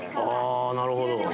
あぁなるほど。